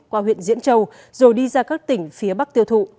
qua huyện diễn châu rồi đi ra các tỉnh phía bắc tiêu thụ